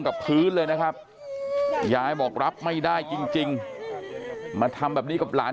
กับพื้นเลยนะครับยายบอกรับไม่ได้จริงมาทำแบบนี้กับหลาน